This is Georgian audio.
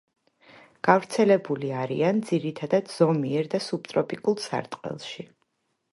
გავრცელებული არიან ძირითადად ზომიერ და სუბტროპიკულ სარტყელში.